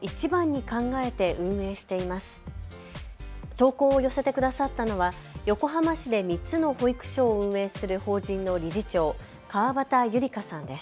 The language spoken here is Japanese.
投稿を寄せてくださったのは横浜市で３つの保育所を運営する法人の理事長、川端ゆり佳さんです。